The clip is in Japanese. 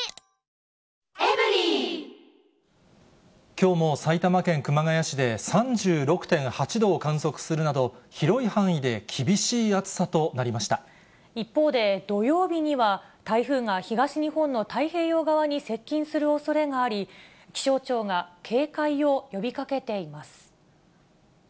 きょうも埼玉県熊谷市で、３６．８度を観測するなど、広い範囲で厳しい暑さとなりまし一方で、土曜日には台風が東日本の太平洋側に接近するおそれがあり、気象庁が警戒を呼びかけています。